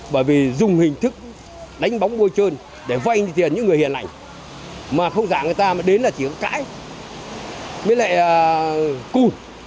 bởi vì dùng hình thức đánh bóng vô chơn để vay tiền những người hiền lành mà không dạng người ta mà đến là chỉ có cãi với lại cù